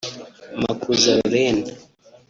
Makuza Lauren